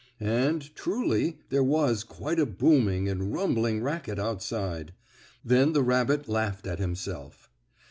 And, truly, there was quite a booming and rumbling racket outside. Then the rabbit laughed at himself.